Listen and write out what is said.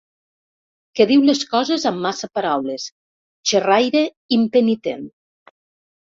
Que diu les coses amb massa paraules, xerraire impenitent.